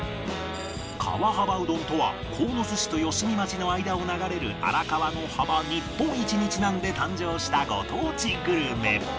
川幅うどんとは鴻巣市と吉見町の間を流れる荒川の幅日本一にちなんで誕生したご当地グルメ